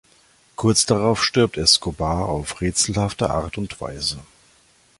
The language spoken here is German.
Kurz darauf stirbt "Escobar" auf rätselhafte Art und Weise.